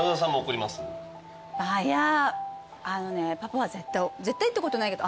いやあのねパパは絶対絶対ってことないけど。